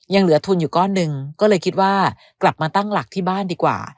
ยังเหลือทุนอยู่ก้อนหนึ่งก็เลยคิดว่ากลับมาตั้งหลักที่บ้านดีกว่า